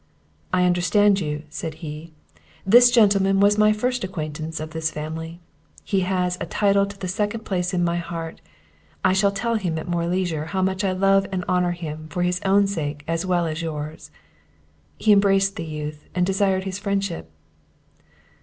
"I understand you," said he; "this gentleman was my first acquaintance of this family; he has a title to the second place in my heart; I shall tell him, at more leisure, how much I love and honour him for his own sake as well as yours." He embraced the youth, and desired his friendship.